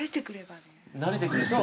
慣れてくると。